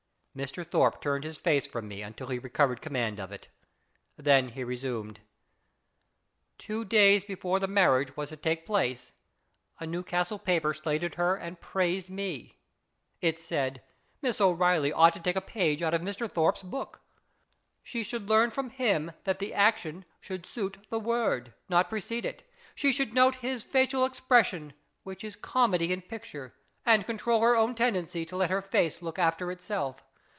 Mr. Thorpe turned his face from me until he recovered command of it. Then he resumed. " Two days before the marriage was to take place a Newcastle paper slated her and praised me. It said, ' Miss O'Reilly ought to take a page out of Mr. Thorpe's book. She should learn from him that the action should suit the word, not precede it. She should note his facial expression, which is comedy in picture, and control her own tendency to let her face look after itself.